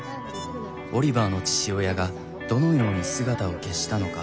オリバーの父親がどのように姿を消したのか？